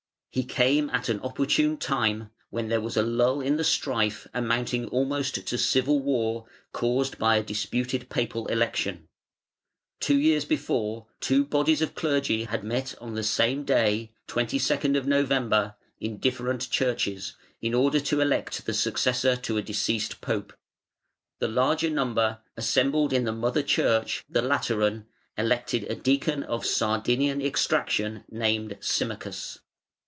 He came at an opportune time, when there was a lull in the strife, amounting almost to civil war, caused by a disputed Papal election. Two years before, two bodies of clergy had met on the same day (22d. November) in different churches, in order to elect the successor to a deceased pope. The larger number, assembled in the mother church, the Lateran, elected a deacon of Sardinian extraction, named Symmachus.